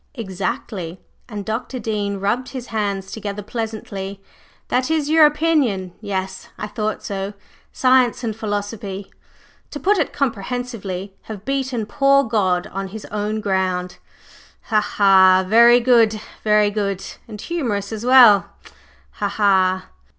"Exactly!" and Dr. Dean rubbed his hands together pleasantly. "That is your opinion? Yes, I thought so! Science and philosophy, to put it comprehensively, have beaten poor God on His own ground! Ha! ha! ha! Very good very good! And humorous as well! Ha! ha!"